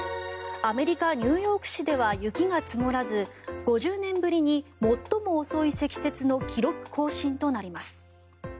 アメリカ・ニューヨーク市では雪が積もらず、５０年ぶりに最も遅い積雪の記録更新となります。